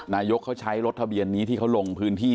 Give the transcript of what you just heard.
นายกเขาใช้รถทะเบียนนี้ที่เขาลงพื้นที่